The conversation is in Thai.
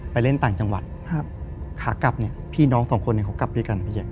ไปเล่นต่างจังหวัดขากลับเนี่ยพี่น้องสองคนเนี่ยเขากลับด้วยกันพี่แจ